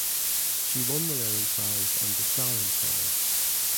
She won the Lenin Prize and the Stalin Prize.